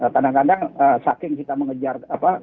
kadang kadang saking kita mengejar apa